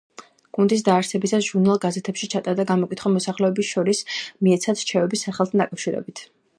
გუნდის დაარსებისას, ჟურნალ-გაზეთებში ჩატარდა გამოკითხვა მოსახლეობას შორის, მიეცათ რჩევები სახელთან დაკავშირებით.